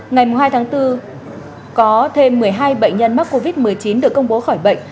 ngày hai tháng bốn có thêm một mươi hai bệnh nhân mắc covid một mươi chín được công bố khỏi bệnh